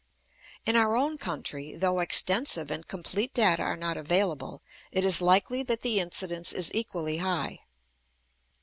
In our own country, though extensive and complete data are not available, it is likely that the incidence is equally high.